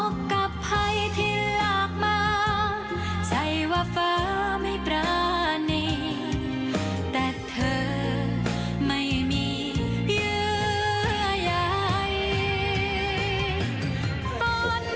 ออกกับใครที่รักมาใส่ว่าเฟ้อไม่ปรานิแต่เธอไม่มีเหยื่อใหญ่